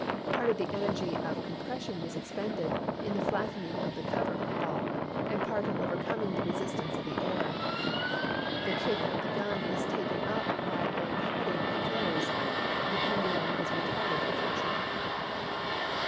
Part of the energy of compression was expended in the flattening of the cover of the ball and part in overcoming the resistance of the air. The kick of the gun is taken up by a padding of clothes ; the pendulum is retarded by friction.